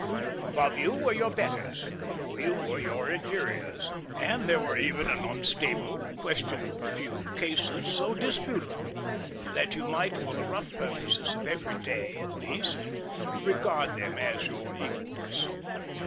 Above you were your betters, below you were your inferiors, and there were even an unstable questionable few, cases so disputable that you might for the rough purposes of every day at least, regard them as your equals.